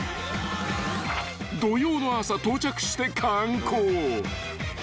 ［土曜の朝到着して観光］